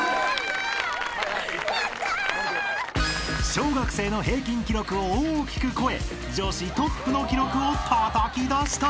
［小学生の平均記録を大きく超え女子トップの記録をたたき出した］